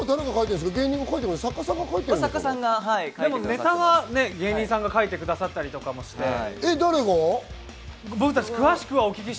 でもネタは芸人さんが書いてくださったりしています。